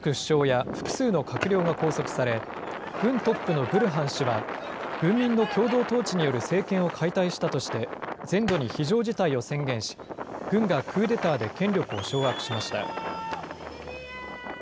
スーダンの首都ハルツームで２５日、ハムドク首相や複数の閣僚が拘束され、軍トップのブルハン氏は、軍民の共同統治による政権を解体したとして、全土に非常事態を宣言し、軍がクーデターで権力を掌握しました。